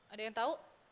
ada yang tahu